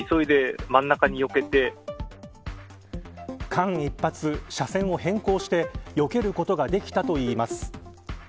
間一髪、車線を変更してよけることができたといいます。